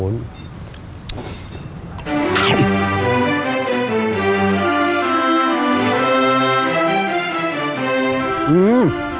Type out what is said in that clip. อื้อ